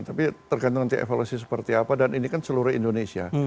tapi tergantung nanti evaluasi seperti apa dan ini kan seluruh indonesia